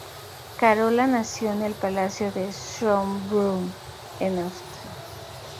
Carola nació en el Palacio de Schönbrunn, en Austria.